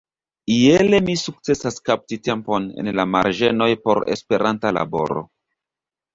Iele mi sukcesas kapti tempon en la marĝenoj por Esperanta laboro.